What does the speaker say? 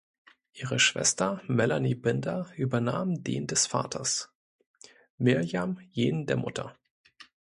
Ihre Schwester Melanie Binder übernahm den des Vaters, Mirjam jenen der Mutter.